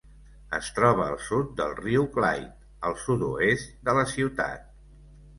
Es troba al sud del riu Clyde, al sud-oest de la ciutat.